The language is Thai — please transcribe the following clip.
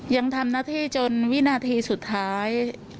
ยังทำหน้าที่จนวินาทีสุดท้าย